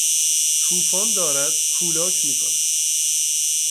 توفان دارد کولاک میکند.